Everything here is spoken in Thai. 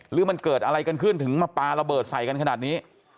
หรือมันเกิดอะไรกันขึ้นถึงมาปลาระเบิดใส่กันขนาดนี้